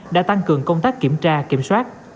đã tăng cường công tác kiểm tra kiểm soát